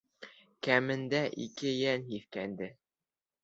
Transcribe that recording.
Кәмендә ике йән һиҫкәнде.